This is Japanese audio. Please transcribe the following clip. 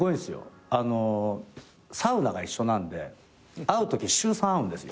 あのサウナが一緒なんで会うとき週３会うんですよ。